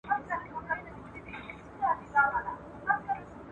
دا د ماشوم د تخیل برخه ده.